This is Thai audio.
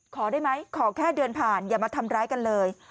ขอได้ไหมขอแค่เดินผ่านอย่ามาทำร้ายกันเลย